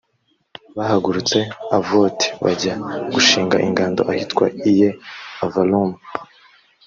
bahagurutse ovoti bajya gushinga ingando ahitwa iye-avarimu.